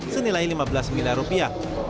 senilai lima belas miliar rupiah